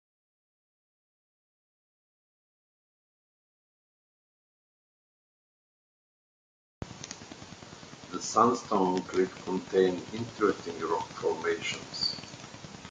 The sandstone cliffs contain interesting rock formations.